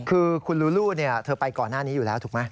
คือคุณลูลูเธอไปก่อนหน้านี้อยู่แล้วถูกไหม